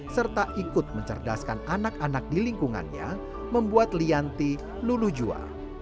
serta ikut mencerdaskan anak anak di lingkungannya membuat lianti lulujua